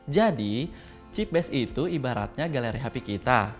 jadi chip based itu ibaratnya galeri hp kita